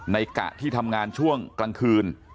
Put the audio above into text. กะที่ทำงานช่วงกลางคืน